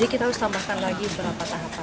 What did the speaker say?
jadi kita harus tambahkan lagi beberapa tahap